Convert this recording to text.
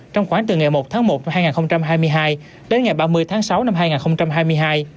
trong khoảng từ ngày một tháng một năm hai nghìn hai mươi hai đến ngày ba mươi tháng sáu năm hai nghìn hai mươi hai